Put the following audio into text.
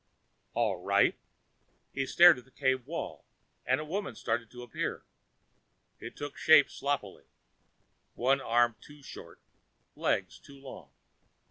"All right." He stared at the cave wall and a woman started to appear. It took shape sloppily, one arm too short, legs too long.